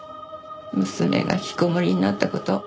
娘が引きこもりになった事。